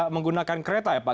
menggunakan kereta ya pak